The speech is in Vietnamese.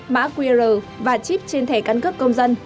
má qr và chip trên thẻ cân cướp công dân